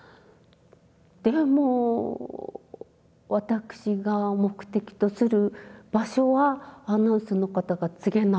でも私が目的とする場所はアナウンスの方が告げない。